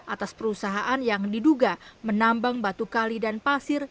atas perusahaan yang diduga menambang batu kali dan pasir